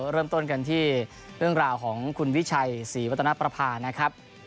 เริ่มต้นกันที่เรื่องราวของคุณวิชัยศรีวัฒนประพานะครับ